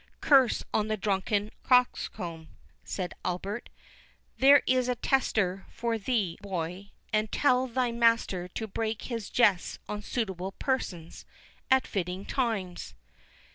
"Curse on the drunken coxcomb!" said Albert,—"There is a tester for thee, boy, and tell thy master to break his jests on suitable persons, and at fitting times."